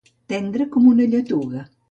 Tendre com una lletuga.